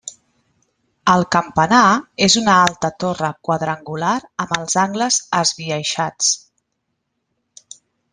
El campanar és una alta torre quadrangular amb els angles esbiaixats.